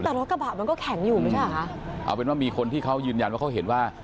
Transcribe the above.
แต่รถกระบะมันก็แข็งเอาเป็นว่ามีคนที่เขายืนยันว่า